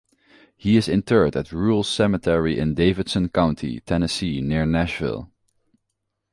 He is interred at a rural cemetery in Davidson County, Tennessee, near Nashville.